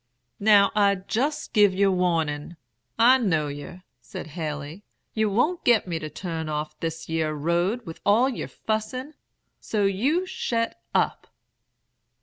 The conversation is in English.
"'Now, I jest give yer warning, I know yer,' said Haley. 'Yer won't get me to turn off this yere road, with all yer fussin'; so you shet up.'